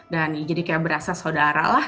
dan jadi kayak berasa saudara lah